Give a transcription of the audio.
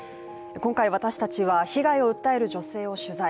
今回、私たちは被害を訴える女性を取材。